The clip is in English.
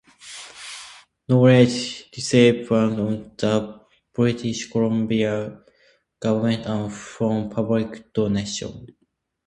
Knowledge receives funding both from the British Columbia government and from public donations.